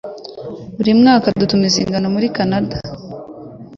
Buri mwaka dutumiza ingano muri Kanada